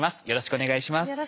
よろしくお願いします。